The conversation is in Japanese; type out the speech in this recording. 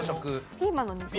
ピーマンの肉詰め。